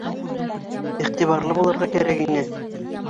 Иғтибарлы булырға кәрәк ине.